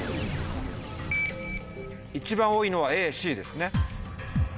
一番多いのはＡＣですね。